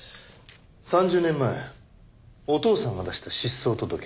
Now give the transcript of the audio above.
３０年前お父さんが出した失踪届。